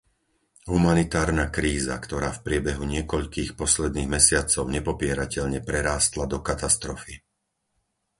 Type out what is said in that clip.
Humanitárna kríza, ktorá v priebehu niekoľkých posledných mesiacov nepopierateľne prerástla do katastrofy.